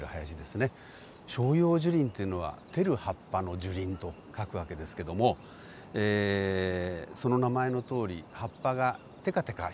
照葉樹林っていうのは照る葉っぱの樹林と書く訳ですけどもその名前のとおり葉っぱがテカテカ光っている。